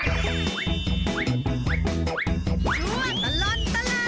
ช่วงตลอดตลาด